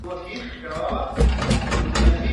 Los artículos de ciencia eran del padre Goicoechea.